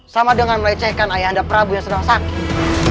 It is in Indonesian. sama dengan melecehkan ayah anda prabu yang sedang sakit